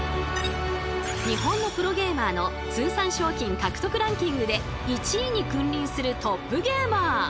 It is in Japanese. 日本のプロゲーマーの通算賞金獲得ランキングで１位に君臨するトップゲーマー！